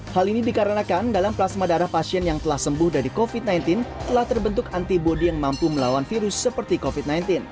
hal ini dikarenakan dalam plasma darah pasien yang telah sembuh dari covid sembilan belas telah terbentuk antibody yang mampu melawan virus seperti covid sembilan belas